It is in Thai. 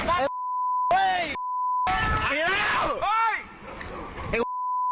อ้าวอ้าวอ้าว